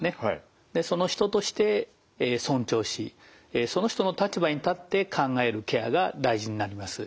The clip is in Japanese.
人として尊重しその人の立場に立って考えるケアが大事になります。